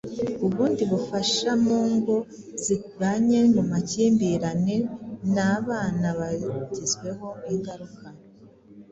ubundi bufasha mu ngo zibanye mu makimbirane n’abana bagizweho ingaruka